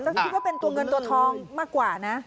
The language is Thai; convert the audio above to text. ก็คิดว่าเป็นตัวเงินตัวทองมากกว่านะ